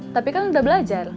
tapi kan udah belajar